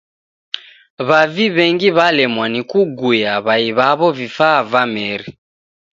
W'avi w'engi w'alemwa ni kuguya w'ai w'aw'o vifaa va meri.